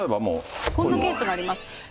こんなケースがあります。